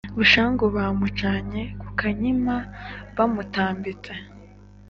bushaku bamucanye ku ka nkima bamutambitse